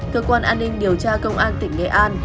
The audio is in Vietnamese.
cơ quan an ninh điều tra công an tỉnh nghệ an